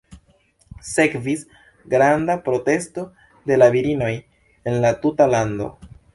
Sekvis granda protesto de la virinoj en la tuta lando.